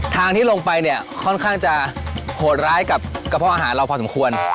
ทางที่ลงไปเนี่ยค่อนข้างจะโหดร้ายกับกระเพาะอาหารเราพอสมควร